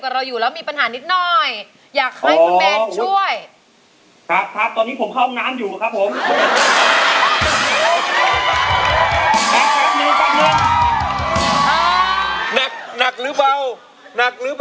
เพราะเพลงนี้คุณยอดรักเคยร้องด้วยเหรอครับ